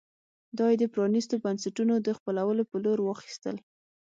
دا یې د پرانېستو بنسټونو د خپلولو په لور واخیستل.